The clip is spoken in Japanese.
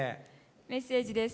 メッセージです。